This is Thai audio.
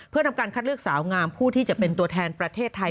เพื่อทำการคัดเลือกสาวงามผู้ที่จะเป็นตัวแทนประเทศไทย